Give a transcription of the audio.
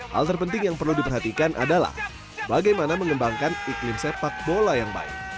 hal terpenting yang perlu diperhatikan adalah bagaimana mengembangkan iklim sepak bola yang baik